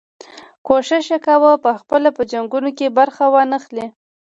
کوښښ یې کاوه پخپله په جنګونو کې برخه وانه خلي.